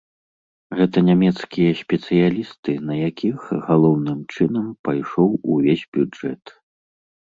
Гэта нямецкія спецыялісты, на якіх, галоўным чынам, пайшоў увесь бюджэт.